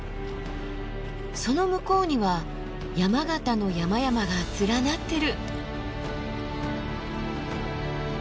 その向こうには山形の山々が連なってる。